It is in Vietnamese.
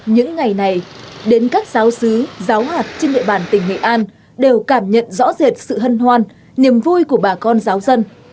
những ngày này đến các giáo sứ giáo hoạt trên địa bàn tỉnh nghệ an đều cảm nhận rõ rệt sự hân hoan niềm vui của bà con giáo dân